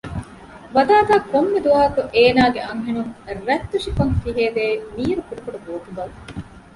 ވަދާދާ ކޮންމެ ދުވަހަކު އޭނާގެ އަންހެނުން ރަތްތޮށިކޮށް ފިހެދޭ މީރު ކުޑަކުޑަ ބޯކިބަލު